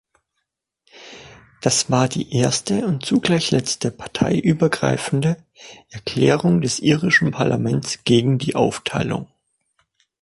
Das war die erste und zugleich letzte parteiübergreifende Erklärung des irischen Parlaments gegen die Aufteilung.